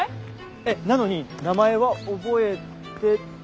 えっなのに名前は覚えて。